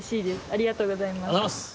ありがとうございます。